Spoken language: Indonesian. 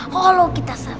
kalau kita sabar makan